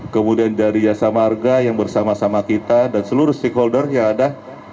kemudian dari jasa marga yang bersama sama kita dan seluruh stakeholder yang ada